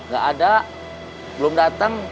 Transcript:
gak ada belum dateng